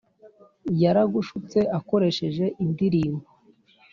Yaragshutse akoresheje indirimbo